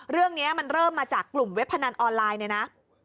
เรื่องนี้มันเริ่มมาจากกลุ่มเว็บพนันออนไลน์เนี่ยนะ